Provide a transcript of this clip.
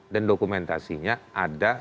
dan dokumentasinya ada